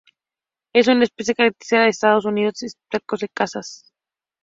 Es una especie característica de Estados Unidos, estado de Kansas.